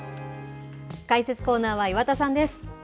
解説コーナーは、岩田さんです。